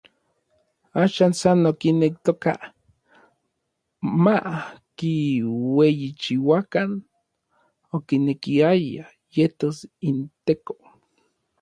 Axan san okinektoka makiueyichiuakan, okinekiaya yetos inTeko.